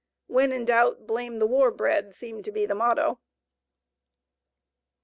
"When in doubt, blame the war bread," seemed to be the motto.